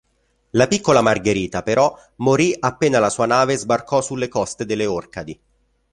La piccola Margherita, però, morì appena la sua nave sbarcò sulle coste delle Orcadi.